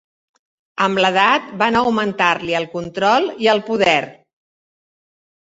Amb l'edat van augmentar-li el control i el poder.